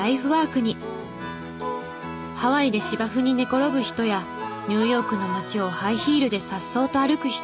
ハワイで芝生に寝転ぶ人やニューヨークの街をハイヒールで颯爽と歩く人。